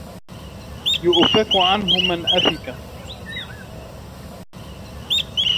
يُؤفَكُ عَنهُ مَن أُفِكَ